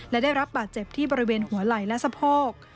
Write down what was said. และได้รับบาดเจ็บที่บริเวณหัวไหล่และสะโพก